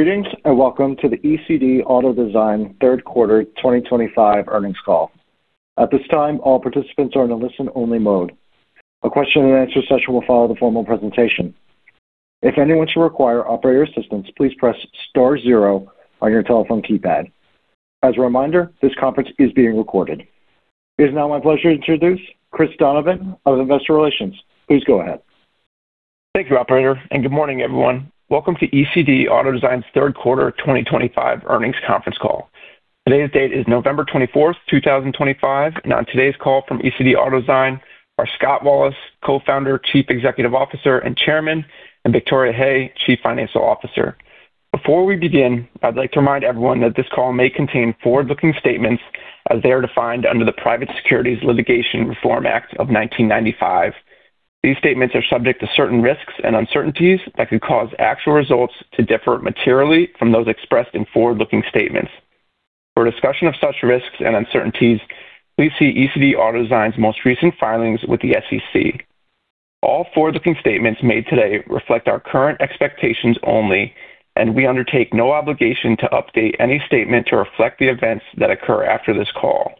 Greetings and welcome to the ECD Automotive Design third quarter 2025 earnings call. At this time, all participants are in a listen-only mode. A question and answer session will follow the formal presentation. If anyone should require operator assistance, please press star zero on your telephone keypad. As a reminder, this conference is being recorded. It is now my pleasure to introduce Chris Donovan of Investor Relations. Please go ahead. Thank you, Operator, and good morning, everyone. Welcome to ECD Automotive Design's third quarter 2025 earnings conference call. Today's date is November 24, 2025, and on today's call from ECD Automotive Design are Scott Wallace, Co-founder, Chief Executive Officer, and Chairman, and Victoria Hay, Chief Financial Officer. Before we begin, I'd like to remind everyone that this call may contain forward-looking statements as they are defined under the Private Securities Litigation Reform Act of 1995. These statements are subject to certain risks and uncertainties that could cause actual results to differ materially from those expressed in forward-looking statements. For discussion of such risks and uncertainties, please see ECD Automotive Design's most recent filings with the SEC. All forward-looking statements made today reflect our current expectations only, and we undertake no obligation to update any statement to reflect the events that occur after this call.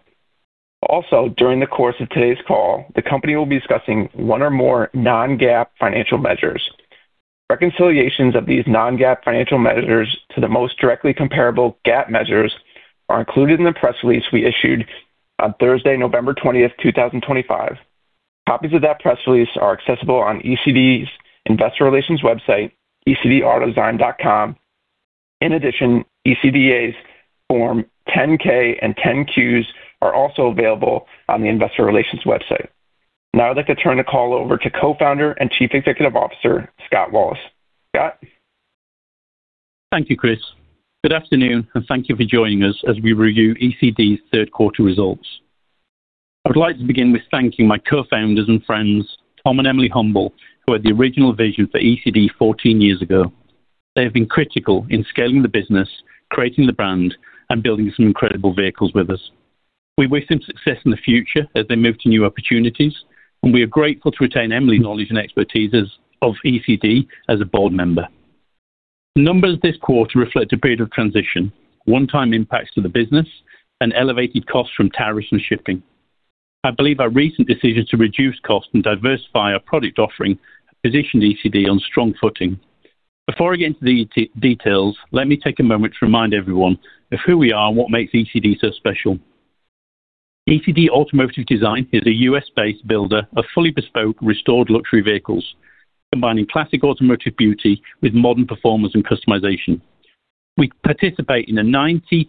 Also, during the course of today's call, the company will be discussing one or more non-GAAP financial measures. Reconciliations of these non-GAAP financial measures to the most directly comparable GAAP measures are included in the press release we issued on Thursday, November 20, 2025. Copies of that press release are accessible on ECD's Investor Relations website, ecdautodesign.com. In addition, ECD's Form 10-K and 10-Qs are also available on the Investor Relations website. Now, I'd like to turn the call over to Co-founder and Chief Executive Officer, Scott Wallace. Scott? Thank you, Chris. Good afternoon, and thank you for joining us as we review ECD's third quarter results. I would like to begin with thanking my co-founders and friends, Tom and Emily Humble, who had the original vision for ECD 14 years ago. They have been critical in scaling the business, creating the brand, and building some incredible vehicles with us. We wish them success in the future as they move to new opportunities, and we are grateful to retain Emily's knowledge and expertise of ECD as a board member. The numbers this quarter reflect a period of transition, one-time impacts to the business, and elevated costs from tariffs and shipping. I believe our recent decision to reduce costs and diversify our product offering positioned ECD on strong footing. Before I get into the details, let me take a moment to remind everyone of who we are and what makes ECD so special. ECD Automotive Design is a U.S.-based builder of fully bespoke, restored luxury vehicles, combining classic automotive beauty with modern performance and customization. We participate in a $90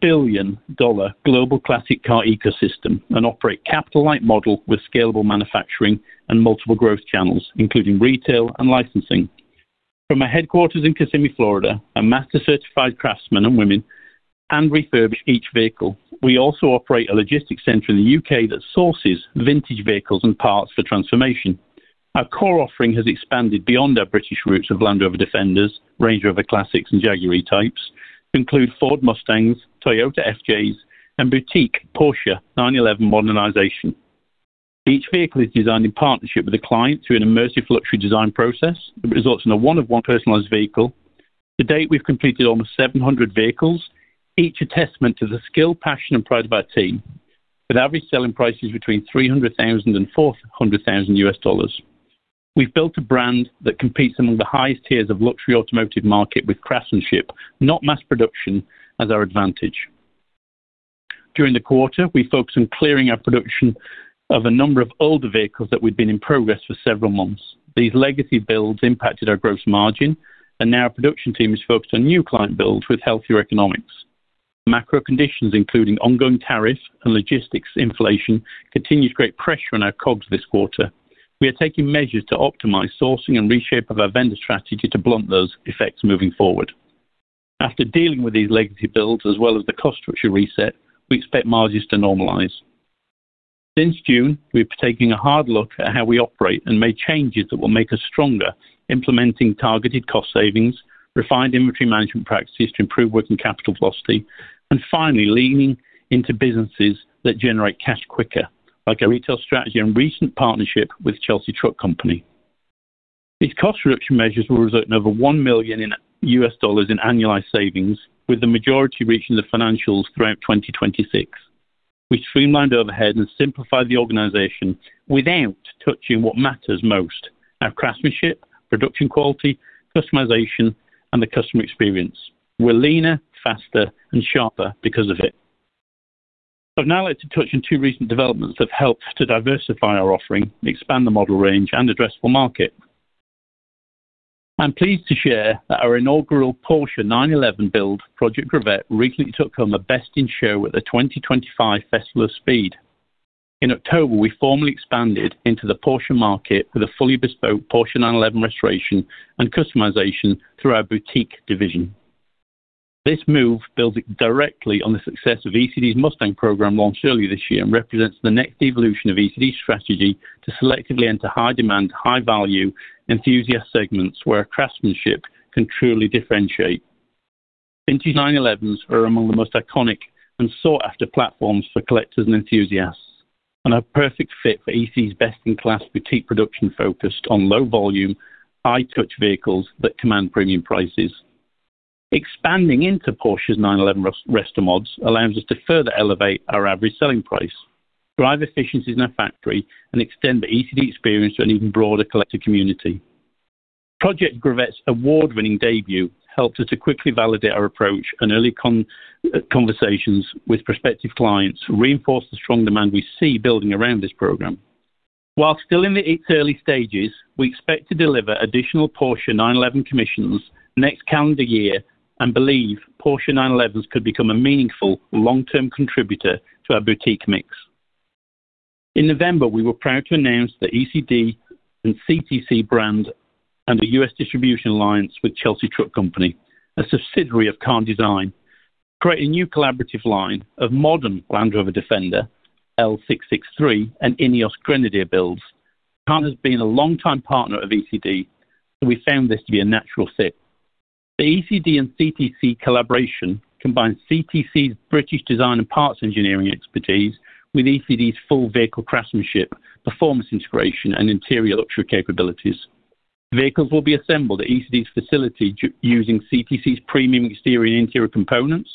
billion-plus global classic car ecosystem and operate a capital-light model with scalable manufacturing and multiple growth channels, including retail and licensing. From our headquarters in Kissimmee, Florida, master-certified craftsmen and women refurbish each vehicle. We also operate a logistics center in the U.K. that sources vintage vehicles and parts for transformation. Our core offering has expanded beyond our British roots of Land Rover Defenders, Range Rover Classics, and Jaguar E-Types, to include Ford Mustangs, Toyota FJs, and boutique Porsche 911 modernization. Each vehicle is designed in partnership with a client through an immersive luxury design process that results in a one-of-one personalized vehicle. To date, we've completed almost 700 vehicles, each a testament to the skill, passion, and pride of our team, with average selling prices between $300,000 and $400,000. We've built a brand that competes among the highest tiers of the luxury automotive market with craftsmanship, not mass production, as our advantage. During the quarter, we focused on clearing our production of a number of older vehicles that we'd been in progress for several months. These legacy builds impacted our gross margin, and now our production team is focused on new client builds with healthier economics. Macro conditions, including ongoing tariffs and logistics inflation, continue to create pressure on our COGS this quarter. We are taking measures to optimize sourcing and reshape our vendor strategy to blunt those effects moving forward. After dealing with these legacy builds as well as the cost structure reset, we expect margins to normalize. Since June, we've been taking a hard look at how we operate and made changes that will make us stronger, implementing targeted cost savings, refined inventory management practices to improve working capital velocity, and finally leaning into businesses that generate cash quicker, like our retail strategy and recent partnership with Chelsea Truck Company. These cost reduction measures will result in over $1 million in annualized savings, with the majority reaching the financials throughout 2026. We streamlined overhead and simplified the organization without touching what matters most: our craftsmanship, production quality, customization, and the customer experience. We're leaner, faster, and sharper because of it. I'd now like to touch on two recent developments that have helped to diversify our offering, expand the model range, and address the market. I'm pleased to share that our inaugural Porsche 911 build, Project Gravette, recently took home a best-in-show at the 2025 Festival of Speed. In October, we formally expanded into the Porsche market with a fully bespoke Porsche 911 restoration and customization through our boutique division. This move builds directly on the success of ECD's Mustang program launched earlier this year and represents the next evolution of ECD's strategy to selectively enter high-demand, high-value enthusiast segments where craftsmanship can truly differentiate. Vintage 911s are among the most iconic and sought-after platforms for collectors and enthusiasts and are a perfect fit for ECD's best-in-class boutique production focused on low-volume, high-touch vehicles that command premium prices. Expanding into Porsche's 911 restomods allows us to further elevate our average selling price, drive efficiencies in our factory, and extend the ECD experience to an even broader collector community. Project Gravette's award-winning debut helped us to quickly validate our approach and early conversations with prospective clients, reinforcing the strong demand we see building around this program. While still in its early stages, we expect to deliver additional Porsche 911 commissions next calendar year and believe Porsche 911s could become a meaningful long-term contributor to our boutique mix. In November, we were proud to announce that ECD and CTC brand and the U.S. Distribution Alliance with Chelsea Truck Company, are creating a new collaborative line of modern Land Rover Defender, L663, and Ineos Grenadier builds. Carn has been a longtime partner of ECD, so we found this to be a natural fit. The ECD and CTC collaboration combines CTC's British design and parts engineering expertise with ECD's full vehicle craftsmanship, performance integration, and interior luxury capabilities. Vehicles will be assembled at ECD's facility using CTC's premium exterior and interior components.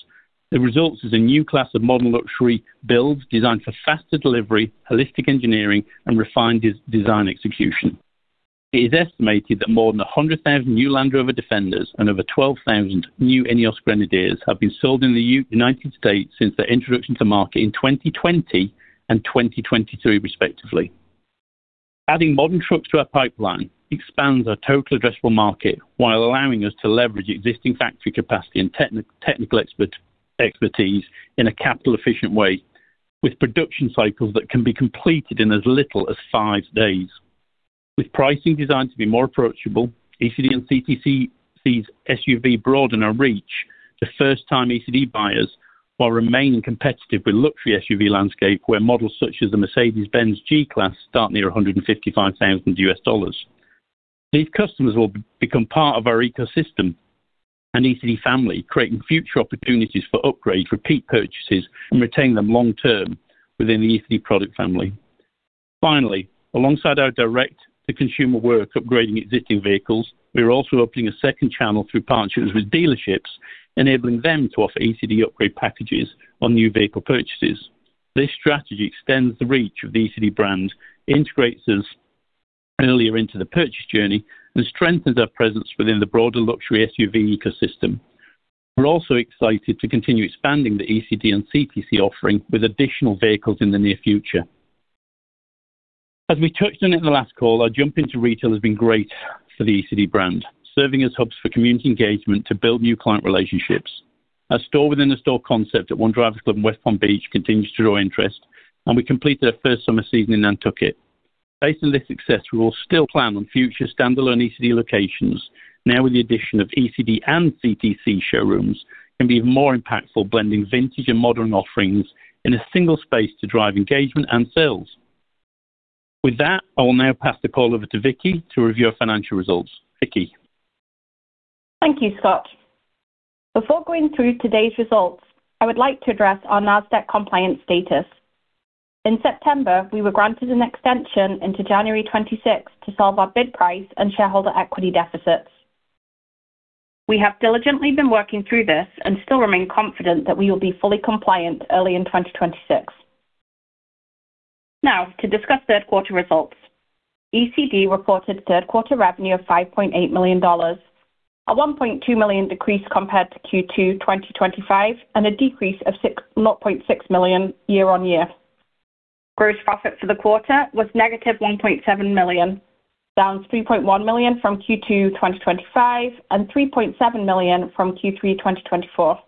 The result is a new class of modern luxury builds designed for faster delivery, holistic engineering, and refined design execution. It is estimated that more than 100,000 new Land Rover Defenders and over 12,000 new Ineos Grenadiers have been sold in the United States since their introduction to market in 2020 and 2023, respectively. Adding modern trucks to our pipeline expands our total addressable market while allowing us to leverage existing factory capacity and technical expertise in a capital-efficient way, with production cycles that can be completed in as little as five days. With pricing designed to be more approachable, ECD and CTC see SUV broaden our reach to first-time ECD buyers while remaining competitive with the luxury SUV landscape, where models such as the Mercedes-Benz G-Class start near $155,000. These customers will become part of our ecosystem and ECD family, creating future opportunities for upgrades, repeat purchases, and retaining them long-term within the ECD product family. Finally, alongside our direct-to-consumer work upgrading existing vehicles, we are also opening a second channel through partnerships with dealerships, enabling them to offer ECD upgrade packages on new vehicle purchases. This strategy extends the reach of the ECD brand, integrates us earlier into the purchase journey, and strengthens our presence within the broader luxury SUV ecosystem. We are also excited to continue expanding the ECD and CTC offering with additional vehicles in the near future. As we touched on it in the last call, our jump into retail has been great for the ECD brand, serving as hubs for community engagement to build new client relationships. Our store-within-the-store concept at 1 Drivers Club in West Palm Beach continues to draw interest, and we completed our first summer season in Nantucket. Based on this success, we will still plan on future standalone ECD locations, now with the addition of ECD and CTC showrooms, to be even more impactful, blending vintage and modern offerings in a single space to drive engagement and sales. With that, I will now pass the call over to Vicky to review our financial results. Vicky. Thank you, Scott. Before going through today's results, I would like to address our NASDAQ compliance status. In September, we were granted an extension into January 26 to solve our bid price and shareholder equity deficits. We have diligently been working through this and still remain confident that we will be fully compliant early in 2026. Now, to discuss third-quarter results. ECD reported third-quarter revenue of $5.8 million, a $1.2 million decrease compared to Q2 2025, and a decrease of $0.6 million year-on-year. Gross profit for the quarter was negative $1.7 million, down $3.1 million from Q2 2025 and $3.7 million from Q3 2024.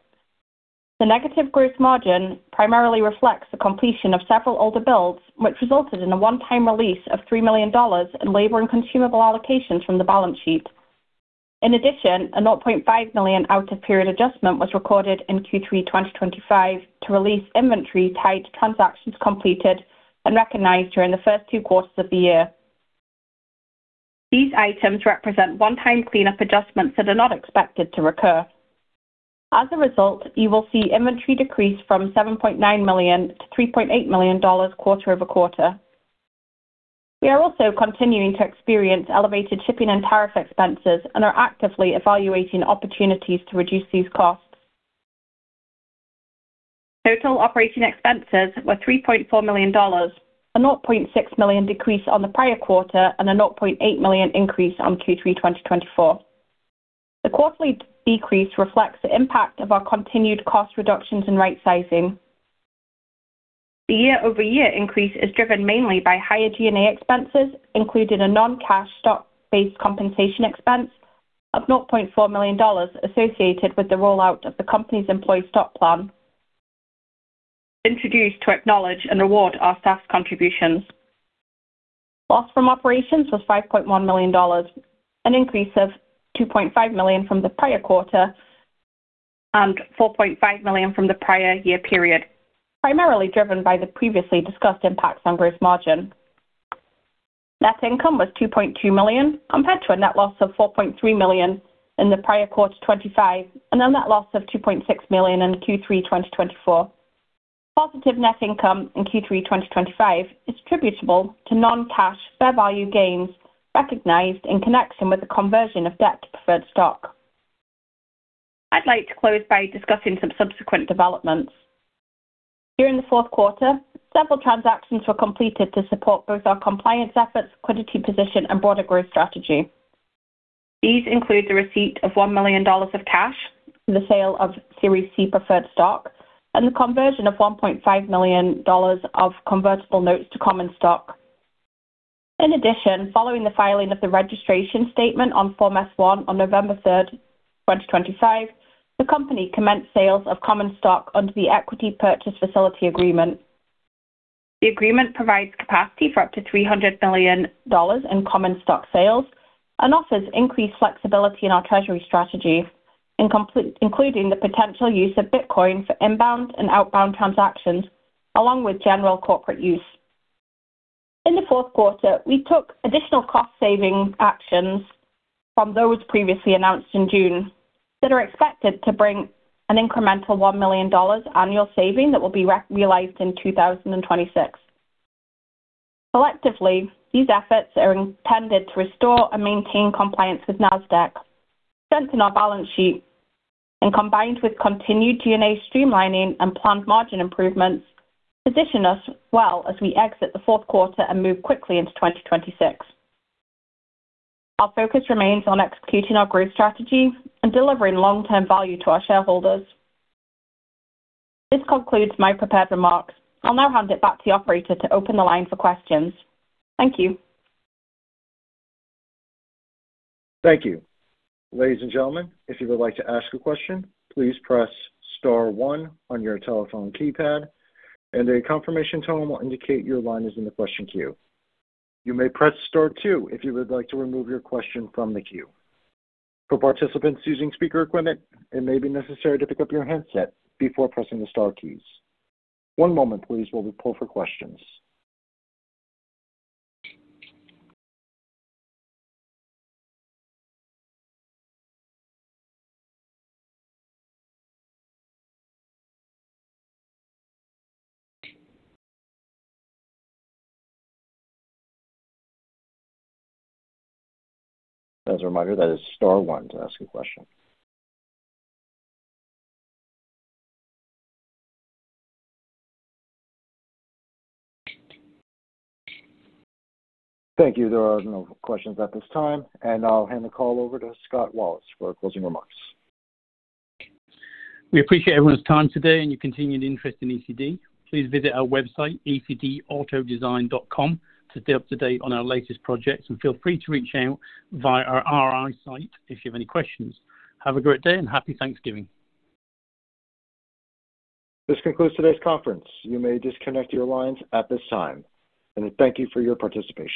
The negative gross margin primarily reflects the completion of several older builds, which resulted in a one-time release of $3 million in labor and consumable allocations from the balance sheet. In addition, a $0.5 million out-of-period adjustment was recorded in Q3 2025 to release inventory tied to transactions completed and recognized during the first two quarters of the year. These items represent one-time cleanup adjustments that are not expected to recur. As a result, you will see inventory decrease from $7.9 million to $3.8 million quarter-over-quarter. We are also continuing to experience elevated shipping and tariff expenses and are actively evaluating opportunities to reduce these costs. Total operating expenses were $3.4 million, a $0.6 million decrease on the prior quarter, and a $0.8 million increase on Q3 2024. The quarterly decrease reflects the impact of our continued cost reductions and right-sizing. The year-over-year increase is driven mainly by higher G&A expenses, including a non-cash stock-based compensation expense of $0.4 million associated with the rollout of the company's employee stock plan, introduced to acknowledge and reward our staff's contributions. Loss from operations was $5.1 million, an increase of $2.5 million from the prior quarter and $4.5 million from the prior year period, primarily driven by the previously discussed impacts on gross margin. Net income was $2.2 million compared to a net loss of $4.3 million in the prior quarter 2025 and a net loss of $2.6 million in Q3 2024. Positive net income in Q3 2025 is attributable to non-cash fair value gains recognized in connection with the conversion of debt to preferred stock. I'd like to close by discussing some subsequent developments. During the fourth quarter, several transactions were completed to support both our compliance efforts, equity position, and broader growth strategy. These include the receipt of $1 million of cash for the sale of Series C preferred stock and the conversion of $1.5 million of convertible notes to common stock. In addition, following the filing of the registration statement on Form S-1 on November 3, 2025, the company commenced sales of common stock under the equity purchase facility agreement. The agreement provides capacity for up to $300 million in common stock sales and offers increased flexibility in our treasury strategy, including the potential use of Bitcoin for inbound and outbound transactions, along with general corporate use. In the fourth quarter, we took additional cost-saving actions from those previously announced in June that are expected to bring an incremental $1 million annual saving that will be realized in 2026. Collectively, these efforts are intended to restore and maintain compliance with NASDAQ. Presenting our balance sheet and combined with continued G&A streamlining and planned margin improvements position us well as we exit the fourth quarter and move quickly into 2026. Our focus remains on executing our growth strategy and delivering long-term value to our shareholders. This concludes my prepared remarks. I'll now hand it back to the operator to open the line for questions. Thank you. Thank you. Ladies and gentlemen, if you would like to ask a question, please press star one on your telephone keypad, and a confirmation tone will indicate your line is in the question queue. You may press star two if you would like to remove your question from the queue. For participants using speaker equipment, it may be necessary to pick up your handset before pressing the star keys. One moment, please, while we pull for questions. As a reminder, that is star one to ask a question. Thank you. There are no questions at this time, and I'll hand the call over to Scott Wallace for closing remarks. We appreciate everyone's time today and your continued interest in ECD. Please visit our website, ecdautodesign.com, to stay up to date on our latest projects, and feel free to reach out via our IR site if you have any questions. Have a great day and happy Thanksgiving. This concludes today's conference. You may disconnect your lines at this time. Thank you for your participation.